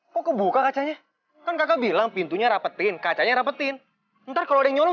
kok kebuka kacanya kan kakak bilang pintunya rapetin kacanya rapetin ntar kalau udah nyolong